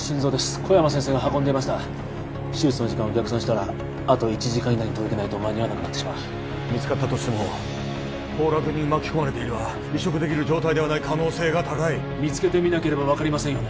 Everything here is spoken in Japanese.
小山先生が運んでいました手術の時間を逆算したらあと１時間以内に届けないと間に合わなくなってしまう見つかったとしても崩落に巻き込まれていれば移植できる状態ではない可能性が高い見つけてみなければ分かりませんよね